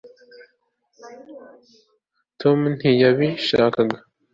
tom ntiyabishakaga